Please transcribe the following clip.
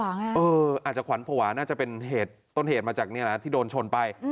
อาจจะขวัญภวาน่าจะเป็นต้นเหตุมาจากนี้นะที่โดนชนไป